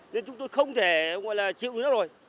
nên chúng tôi không thể chịu được nó rồi